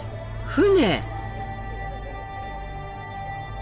船？